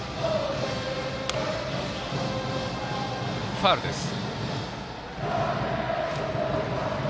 ファウルです。